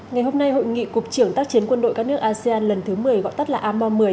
ngày hôm nay hội nghị cục trưởng tác chiến quân đội các nước asean lần thứ một mươi gọi tắt là abo một mươi